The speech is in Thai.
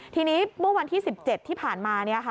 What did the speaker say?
ทีนี้เมื่อวันที่๑๗ที่ผ่านมา